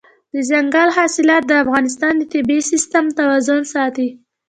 دځنګل حاصلات د افغانستان د طبعي سیسټم توازن ساتي.